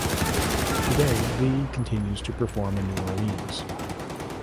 Today Lee continues to perform in New Orleans.